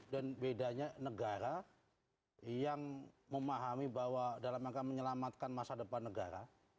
dan bedanya negara yang memahami bahwa dalam maka menyelamatkan masa depan negara